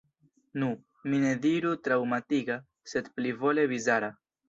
Nu, mi ne diru traŭmatiga, sed plivole bizara.